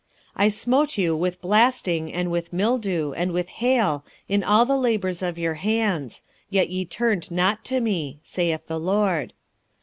2:17 I smote you with blasting and with mildew and with hail in all the labours of your hands; yet ye turned not to me, saith the LORD.